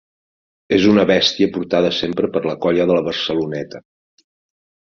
És una bèstia portada sempre per la colla de la Barceloneta.